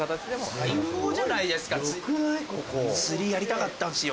最高じゃないですか釣りやりたかったんですよ。